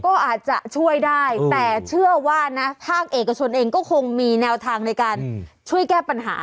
ก็อาจจะช่วยได้แต่เชื่อว่านะภาคเอกชนเองก็คงมีแนวทางในการช่วยแก้ปัญหา